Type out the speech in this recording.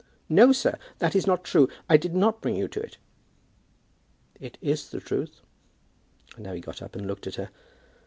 "No, sir, that is not true. I did not bring you to it." "It is the truth." And now he got up and looked at her.